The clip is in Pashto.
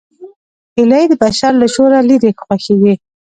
هیلۍ د بشر له شوره لیرې خوښېږي